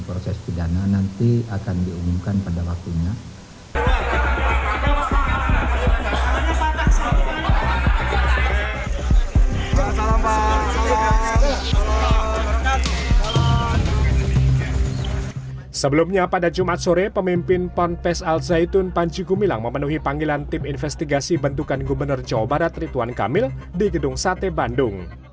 pertama memimpin ponpes al zaitun panji kumilang memenuhi panggilan tim investigasi bentukan gubernur jawa barat ridwan kamil di gedung sate bandung